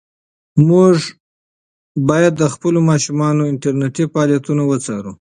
موږ باید د خپلو ماشومانو انټرنيټي فعالیتونه وڅارو.